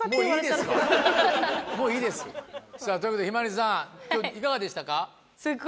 もういいです。ということで向日葵さんいかがでしたか？